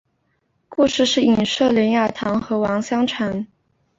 故事是隐射连雅堂与王香禅。